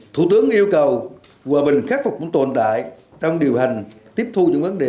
thủ tướng yêu cầu hòa bình khắc phục cũng tồn tại trong điều hành tiếp thu những vấn đề